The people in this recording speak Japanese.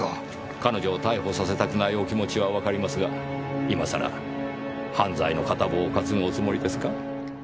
彼女を逮捕させたくないお気持ちはわかりますが今さら犯罪の片棒を担ぐおつもりですか？